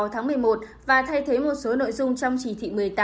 sáu tháng một mươi một và thay thế một số nội dung trong chỉ thị một mươi tám